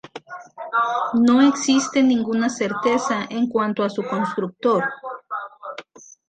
No existe ninguna certeza en cuanto a su constructor.